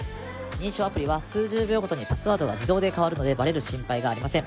認証アプリは数十秒ごとにパスワードが自動で変わるのでバレる心配がありません。